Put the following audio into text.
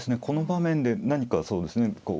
この場面で何かそうですね。